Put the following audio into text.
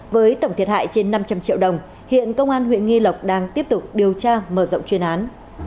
với tổng thiệt hại trên năm trăm linh triệu đồng hiện công an huyện nghi lộc đang tiếp tục điều tra mở rộng chuyên án